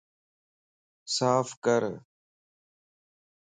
صاف ڪر